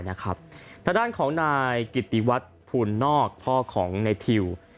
ทางด้านของนายกิติวัฒน์ภูลนอกพ่อของในทิว